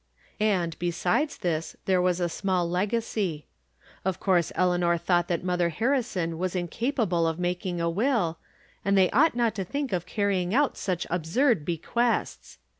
And, besides this, there was a small legacy. Of course Eleanor thought that Mother Harrison was incapable of making a will, and they ought not to think of carrying out such absurd be quests.